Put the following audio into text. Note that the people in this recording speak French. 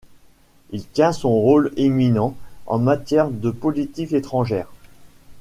Il tient un rôle éminent en matière de politique étrangère.